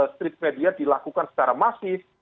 street media dilakukan secara masif